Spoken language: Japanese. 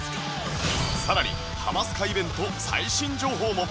さらにハマスカイベント最新情報も！